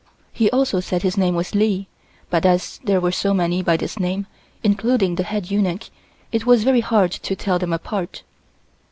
He also said his name was Li, but as there were so many by this name, including the head eunuch, it was very hard to tell them apart.